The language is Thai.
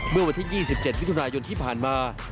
เมื่อวันที่๒๗มิถุนายนที่ผ่านมา